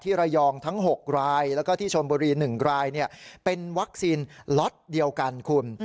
ระยองทั้ง๖รายแล้วก็ที่ชนบุรี๑รายเป็นวัคซีนล็อตเดียวกันคุณ